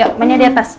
yuk mainnya di atas